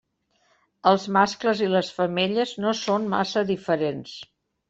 Els mascles i les femelles no són massa diferents.